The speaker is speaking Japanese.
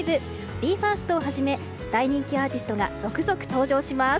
ＢＥ：ＦＩＲＳＴをはじめ大人気アーティストが続々登場します。